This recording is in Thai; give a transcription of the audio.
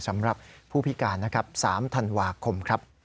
สำหรับผู้พิการ๓ธันวาคม